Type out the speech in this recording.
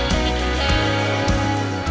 sampai jumpa lagi